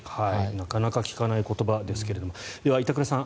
なかなか聞かない言葉ですがでは板倉さん